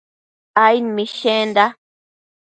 aid mishenda